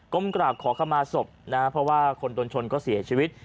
ก้มกราบขอขมาศพนะครับเพราะว่าคนตนชนก็เสียชีวิต